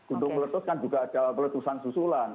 untuk meletus kan juga ada meletusan susulan